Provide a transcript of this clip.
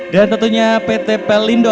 dan tentunya ptp lindo